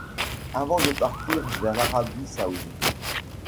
Avant de partir vers l'Arabie saoudite.